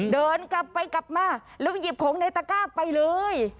เดินกลับไปกลับมาแล้วหยิบของในตะก้าไปเลย